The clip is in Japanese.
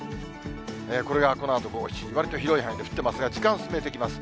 これがこのあと午後７時、わりと広い範囲で降ってますが、時間進めていきます。